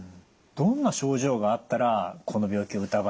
どんな症状があったらこの病気を疑いますか？